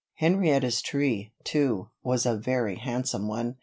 Henrietta's tree, too, was a very handsome one.